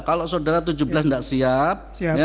kalau saudara tujuh belas tidak siap